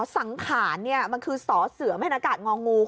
อ๋อสังขารเนี่ยมันคือสอสือแม่นอากาศงองงู